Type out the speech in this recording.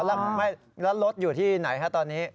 แล้วรถอยู่ที่ไหนฮะตอนนี้